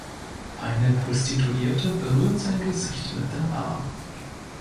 Eine Prostituierte berührt sein Gesicht mit dem Arm.